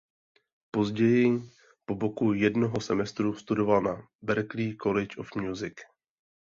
Později po dobu jednoho semestru studoval na Berklee College of Music.